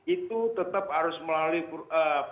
itu tetap harus melalui pengujian ulang